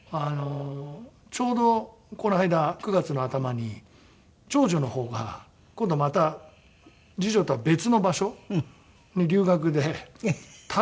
ちょうどこの間９月の頭に長女の方が今度はまた次女とは別の場所に留学で旅立ってしまいまして。